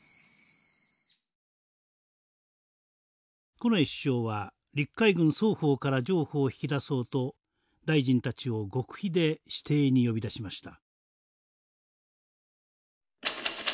近衛首相は陸海軍双方から譲歩を引き出そうと大臣たちを極秘で私邸に呼び出しました。